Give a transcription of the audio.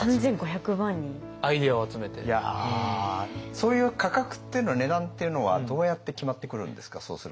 そういう価格っていうの値段っていうのはどうやって決まってくるんですかそうすると。